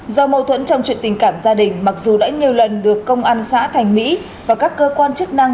do mâu thuẫn trong chuyện tình cảm gia đình mặc dù đã nhiều lần được công an xã thành mỹ và các cơ quan chức năng